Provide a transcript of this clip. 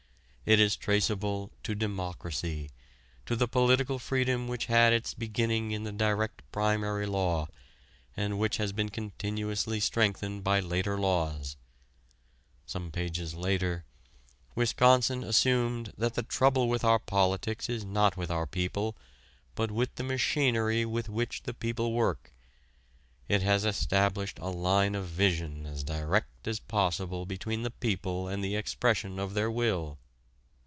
It is traceable to democracy, to the political freedom which had its beginning in the direct primary law, and which has been continuously strengthened by later laws"; some pages later, "Wisconsin assumed that the trouble with our politics is not with our people, but with the machinery with which the people work.... It has established a line of vision as direct as possible between the people and the expression of their will."